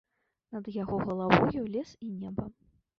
Над яго галавою лес і неба.